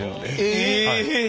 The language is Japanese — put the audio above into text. え！